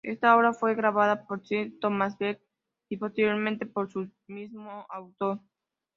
Esta obra fue grabada por Sir Thomas Beecham y posteriormente por su mismo autor.